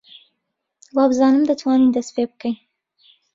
وابزانم دەتوانین دەست پێ بکەین.